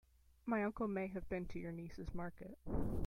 My uncle may have been to your niece's market.